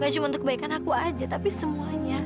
gak cuma untuk kebaikan aku aja tapi semuanya